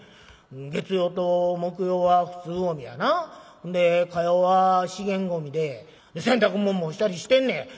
月曜と木曜は普通ゴミやなんで火曜は資源ゴミで洗濯物も干したりしてんねん。